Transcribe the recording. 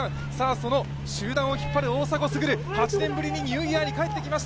その集団を引っ張る大迫傑８年ぶりにニューイヤー駅伝に帰ってきました。